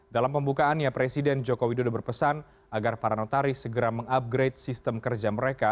dalam pembukaannya presiden joko widodo berpesan agar para notaris segera mengupgrade sistem kerja mereka